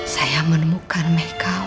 saya menemukan mereka